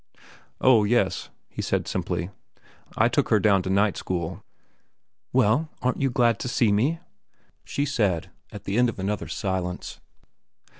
"Oh, yes," he said simply. "I took her down to night school." "Well, aren't you glad to see me?" she said at the end of another silence.